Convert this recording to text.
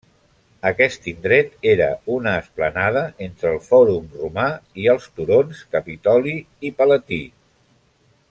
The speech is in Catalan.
Aquest indret era una esplanada entre el Fòrum Romà i els turons Capitoli i Palatí.